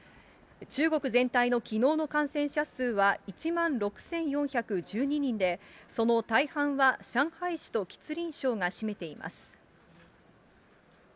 中国全体のきのうの感染者数は１万６４１２人で、その大半は上海市と吉林省が占めています。